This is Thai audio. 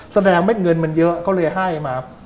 แสดงเม็ดเงินมันเยอะเขาเลยให้มา